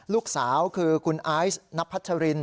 ลูกสาวคือคุณไอซ์นับพัชริน